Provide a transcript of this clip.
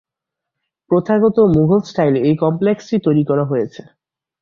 প্রথাগত মুঘল স্টাইলে এই কমপ্লেক্সটি তৈরি করা হয়েছে।